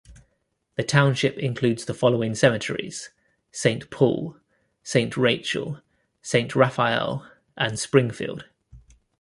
The township includes the following cemeteries: Saint Paul, Saint Rachael, Saint Raphael and Springfield.